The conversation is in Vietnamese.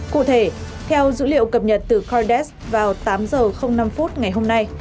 cụ thể theo dữ liệu cập nhật từ cardex vào tám h năm phút ngày hôm nay